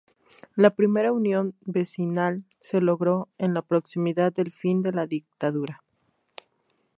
La primera unión vecinal se logró, en la proximidad del fin de la dictadura.